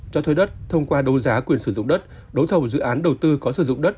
cho thuê đất thông qua đấu giá quyền sử dụng đất đấu thầu dự án đầu tư có sử dụng đất